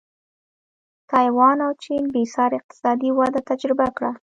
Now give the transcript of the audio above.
تایوان او چین بېسارې اقتصادي وده تجربه کړه.